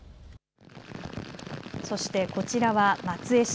そして、こちらは松江市。